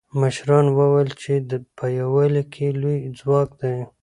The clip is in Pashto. مشرانو وویل چې په یووالي کې لوی ځواک دی.